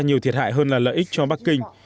nhiều thiệt hại hơn là lợi ích cho bắc kinh